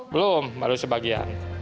belum baru sebagian